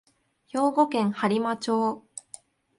兵庫県播磨町